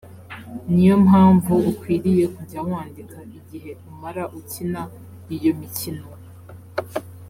ni yo mpamvu ukwiriye kujya wandika igihe umara ukina iyo mikino